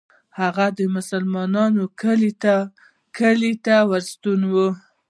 هغه یې د مسلمانانو کلي ته ورسوي.